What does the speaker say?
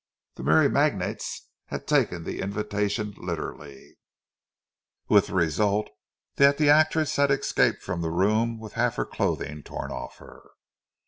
The merry magnates had taken the invitation literally—with the result that the actress had escaped from the room with half her clothing torn off her.